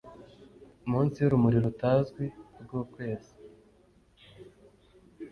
munsi y'urumuri rutazwi rw'ukwezi